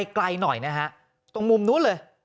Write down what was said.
ไกลหน่อยนะฮะตรงมุมนู้นเลย